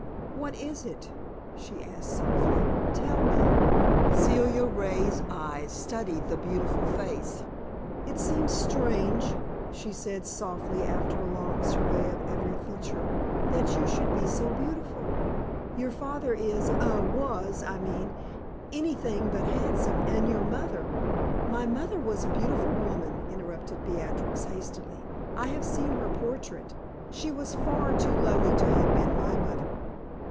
"What is it?" she asked, softly; "tell me." Celia Ray's eyes studied the beautiful face. "It seems strange," she said, softly, after a long survey of every feature, "that you should be so beautiful. Your father is was, I mean anything but handsome; and your mother " "My mother was a beautiful woman," interrupted Beatrix, hastily. "I have seen her portrait. She was far too lovely to have been my mother."